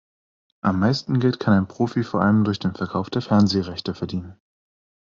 Am meisten Geld kann ein Profi vor allem durch den Verkauf der Fernsehrechte verdienen.